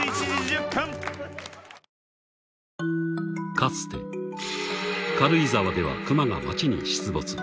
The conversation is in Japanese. ［かつて軽井沢ではクマが町に出没］